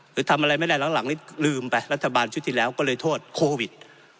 หรือทำอะไรไม่ได้หลังนี้ลืมไปรัฐบาลชุดที่แล้วก็เลยโทษโควิด